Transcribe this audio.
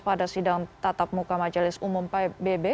pada sidang tatap muka majelis umum pbb